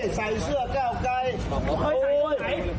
ใส่เสื้อก้าวไกร